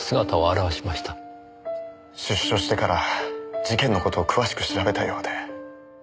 出所してから事件の事を詳しく調べたようで。